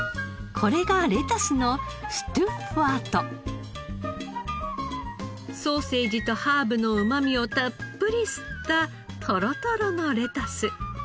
これがソーセージとハーブのうまみをたっぷり吸ったトロトロのレタス。